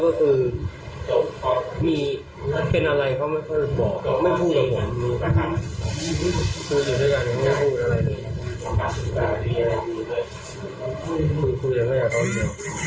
เขาไม่พูดกับผมคุยอยู่ด้วยกันไม่พูดอะไรคุยคุยกันก็อยากเข้าในแบบนี้